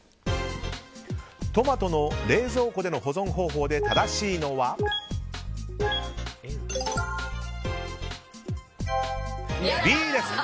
トマトの冷蔵庫での保存方法で正しいのはＢです。